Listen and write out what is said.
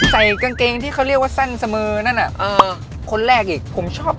เจอกันพี่สวัสดีครับ